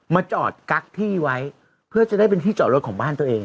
มาจอดกั๊กที่ไว้เพื่อจะได้เป็นที่จอดรถของบ้านตัวเอง